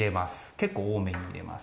結構多めに入れます。